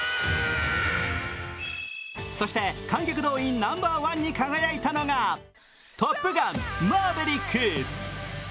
そして観客動員ナンバーワンに輝いたのが「トップガンマーヴェリック」。